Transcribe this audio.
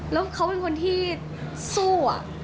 แล้วเขาเป็นคนที่สู้อะ